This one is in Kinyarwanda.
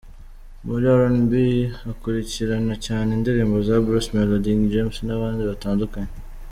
Muri RnB akurikirana cyane indirimbo za Bruce Melody, King James n’abandi batandukanye.